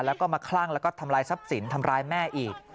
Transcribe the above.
แล้วก็มาคลั่งแล้วก็ทำลายทรัพย์สินทำร้ายแม่อีก